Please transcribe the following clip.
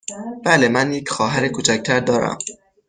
بله، من یک خواهر کوچک تر دارم.